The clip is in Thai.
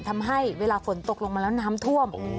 ทำให้เวลาฝนตกลงมาแล้วน้ำท่วม